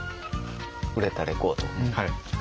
売れたレコード。